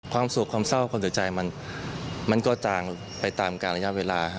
ความสุขความเศร้าความเสียใจมันก็จางไปตามการระยะเวลา